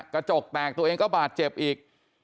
กระจกแตกตัวเองก็บาดเจ็บอีก